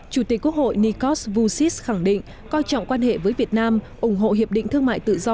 chủ tịch quốc hội nicos voucis khẳng định coi trọng quan hệ với việt nam ủng hộ hiệp định thương mại tự do